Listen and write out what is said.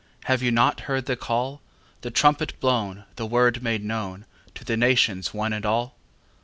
Have you not heard the call, The trumpet blown, the word made knownTo the nations, one and all?